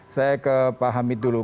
saya ke pak hamid dulu